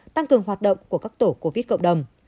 tăng cường hoạt động của các tổ covid cộng đồng